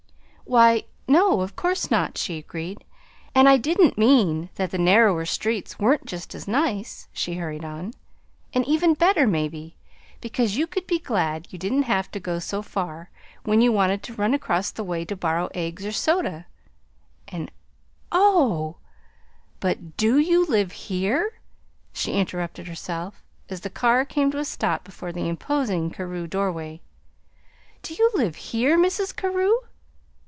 "Why, no, of course not," she agreed. "And I didn't mean that the narrower streets weren't just as nice," she hurried on; "and even better, maybe, because you could be glad you didn't have to go so far when you wanted to run across the way to borrow eggs or soda, and Oh, but DO you live here?" she interrupted herself, as the car came to a stop before the imposing Carew doorway. "Do you live here, Mrs. Carew?"